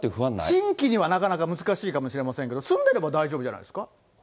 新規にはなかなか難しいかもしれませんけれども、住んでれば大丈夫じゃないですか？